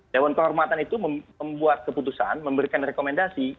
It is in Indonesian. dewan kehormatan itu membuat keputusan memberikan rekomendasi